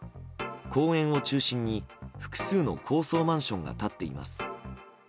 公園を中心に複数の高層マンションが立っています。